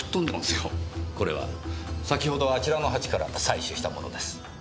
これは先ほどあちらの鉢から採取したものです。